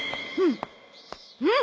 うん！